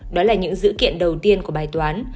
đó là những dự kiện đầu tiên của bài toán